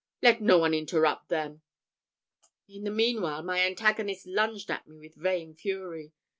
Let no one interrupt them." In the meanwhile my antagonist lunged at me with vain fury.